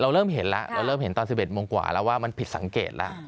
เริ่มเห็นแล้วเราเริ่มเห็นตอน๑๑โมงกว่าแล้วว่ามันผิดสังเกตแล้ว